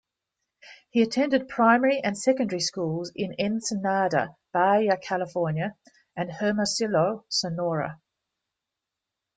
He attended primary and secondary schools in Ensenada, Baja California, and Hermosillo, Sonora.